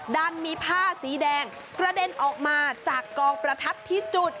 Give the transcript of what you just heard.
ดันมีผ้าสีแดงกระเด็นออกมาจากกองประทัดที่จุด